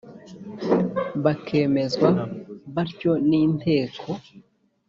bakemezwa batyo n inteko